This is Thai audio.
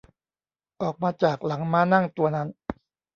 ออกมาจากหลังม้านั่งตัวนั้น